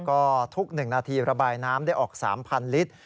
ก็ทุก๑นาทีระบายน้ำได้ออก๓๐๐ลิตร